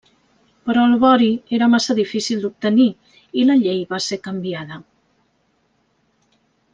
Però el vori era massa difícil d'obtenir i la llei va ser canviada.